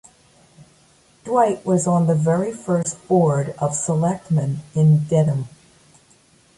Dwight was on the very first Board of Selectmen in Dedham.